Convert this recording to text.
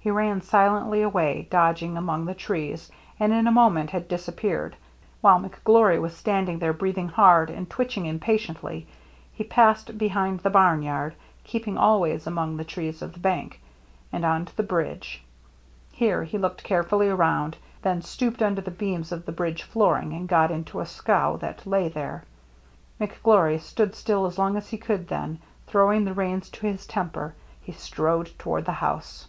He ran silently away, dodging among the trees, and in a moment had disappeared. While McGlory was standing there, breathing hard and twitching impatiently, he passed be hind the barn yard, keeping always among the trees of the bank, and on to the bridge. Here he looked carefully around, then stooped under the beams of the bridge flooring and got into a scow that lay there. McGlory stood still as long as he could, then, throwing the reins to his temper, he strode toward the house.